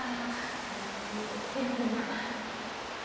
これ記念のキーホルダー。